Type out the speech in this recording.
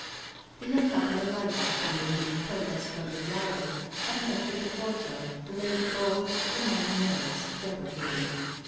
The young couple alighted, under mute protest from the driver, and entered the courtyard, the lady bold, the man nervous, deprecating.